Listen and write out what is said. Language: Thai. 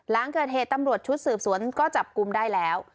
หลังเกิดเหตุตำรวจชุดสืบสวนก็จับกลุ่มได้แล้ว